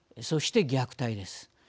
そして、虐待です。